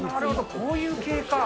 こういう系か。